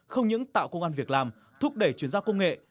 không những tạo công an việc làm thúc đẩy chuyên gia công nghệ